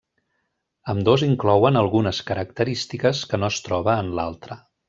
Ambdós inclouen algunes característiques que no es troba en l'altre.